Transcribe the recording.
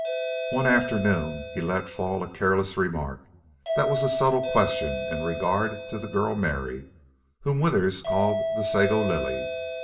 One afternoon he let fall a careless remark that was a subtle question in regard to the girl Mary, whom Withers called the Sago Lily.